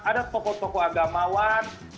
ada tokoh tokoh agamawan